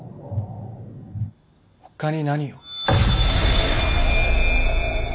ほかに何を。